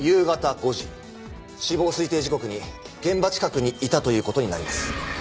死亡推定時刻に現場近くにいたという事になります。